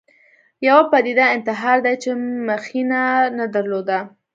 یوه پدیده انتحار دی چې مخینه نه درلوده